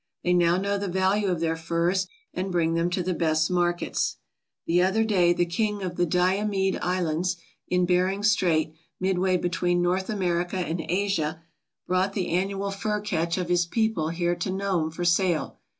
They now know the value of their furs and bring them to the best markets. The other day the king of the Diomede Islands, in Bering Strait midway between North America 218 AMONG THE ESKIMOS and Asia, brought the annual fur catch of his people here to Nome for sale.